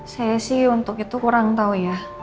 saya sih untuk itu kurang tahu ya